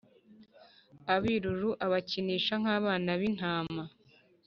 ibirura akabikinisha nk’abana b’intama.